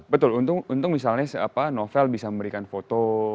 betul untung misalnya novel bisa memberikan foto